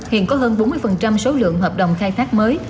hiện có hơn bốn mươi số lượng hợp đồng khai thác mới